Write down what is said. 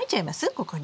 ここに。